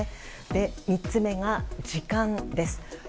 ３つ目が、時間です。